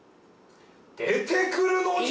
出てくるのじゃ。